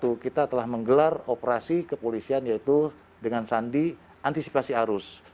disini kita memang menggunakan operasi kepolisian yang baik dengan sandi antisipasi arus